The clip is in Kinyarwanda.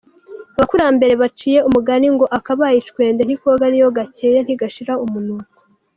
Abakurambere baciye umugani ngo akabaye icwende ntikoga niyo gakeye ntigashira umunuko.